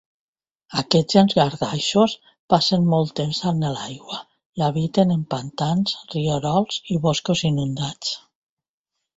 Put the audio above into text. Aquests llangardaixos passen molt temps en l'aigua i habiten en pantans, rierols i boscos inundats.